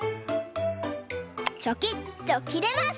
チョキッときれます！